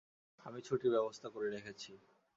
আমি ছুটির ব্যবস্থা করে রেখেছি।